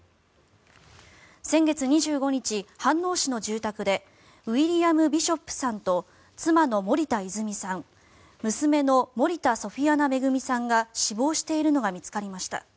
先月２５日、飯能市の住宅でウィリアム・ビショップさんと妻の森田泉さん娘の森田ソフィアナ恵さんが死亡しているのが見つかりました。